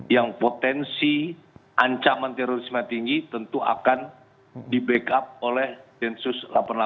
yang potensi ancaman terorisme tinggi tentu akan di backup oleh densus delapan puluh delapan